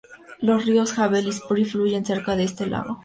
Los ríos Havel y Spree fluyen cerca de este lago.